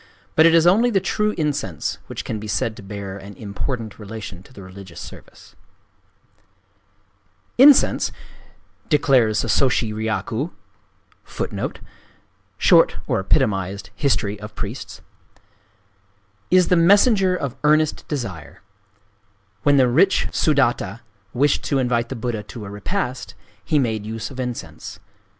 But it is only the true incense which can be said to bear an important relation to the religious service. "Incense," declares the Soshi Ryaku, "is the Messenger of Earnest Desire. When the rich Sudatta wished to invite the Buddha to a repast, he made use of incense.